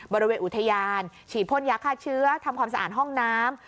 บริเวณอุทยานฉีดพ่นยาฆ่าเชื้อทำความสะอาดห้องน้ำ